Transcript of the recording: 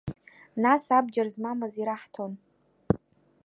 Нас абџьар змамыз ираҳҭон.